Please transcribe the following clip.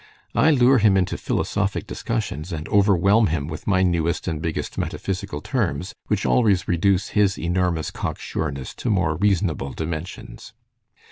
I lure him into philosophic discussions, and overwhelm him with my newest and biggest metaphysical terms, which always reduce his enormous cocksureness to more reasonable dimensions.